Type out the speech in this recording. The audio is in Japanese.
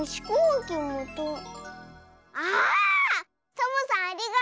サボさんありがとう。